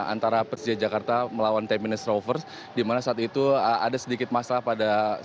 antara persija jakarta melawan sepuluh minutes rovers dimana saat itu ada sedikit masalah pada scanner barcode tiket